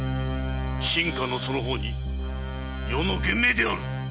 臣下のその方に余の厳命である！